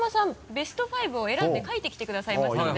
ベスト５を選んで書いてきてくださいましたので。